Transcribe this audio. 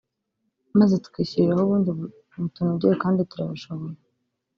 maze tukishyiriraho ubundi butunogeye kandi turabishoboye